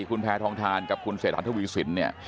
คุณแพทรทองทานกับคุณเสดาณธวิสิน